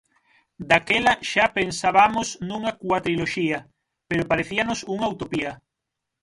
Daquela xa pensabamos nunha cuatriloxía, pero parecíanos unha utopía.